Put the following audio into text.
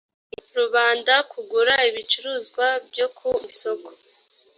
rubanda kugura ibicuruzwa byo ku isoko